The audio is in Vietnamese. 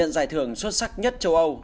nhận giải thưởng xuất sắc nhất châu âu